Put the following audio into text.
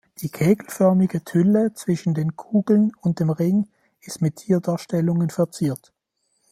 Die kegelförmige Tülle zwischen den Kugeln und dem Ring ist mit Tierdarstellungen verziert.